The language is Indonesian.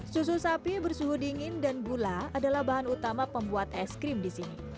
susu sapi bersuhu dingin dan gula adalah bahan utama pembuat es krim di sini